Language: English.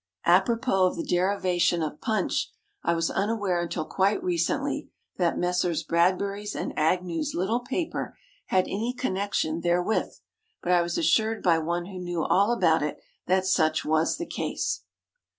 Apropos of the derivation of "punch," I was unaware until quite recently that Messrs. Bradbury's & Agnew's little paper had any connection therewith. But I was assured by one who knew all about it, that such was the case.